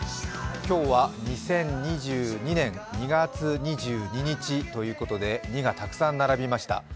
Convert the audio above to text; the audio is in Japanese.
今日は２０２２年２月２２日ということで２がたくさん並びました。